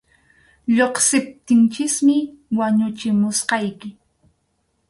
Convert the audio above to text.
Lluqsiptinchikmi wañuchimusqayki.